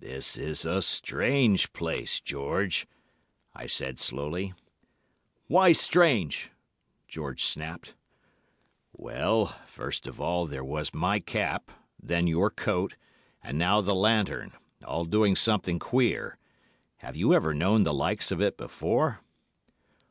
"'This is a strange place, George!' I said slowly. "'Why strange?' George snapped. "'Well, first of all there was my cap, then your coat, and now the lantern—all doing something queer. Have you ever known the likes of it before?